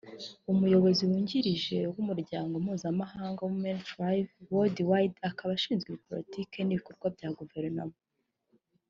Umuyobozi Wungirije w’Umuryango Mpuzamahanga “Women Thrive Worldwide” akaba ashinzwe politiki n’ibikorwa bya Guverinoma